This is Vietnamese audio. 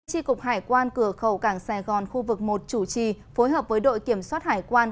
tri cục hải quan cửa khẩu cảng sài gòn khu vực một chủ trì phối hợp với đội kiểm soát hải quan